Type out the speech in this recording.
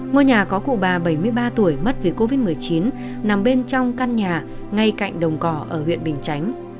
ngôi nhà có cụ bà bảy mươi ba tuổi mất vì covid một mươi chín nằm bên trong căn nhà ngay cạnh đồng cỏ ở huyện bình chánh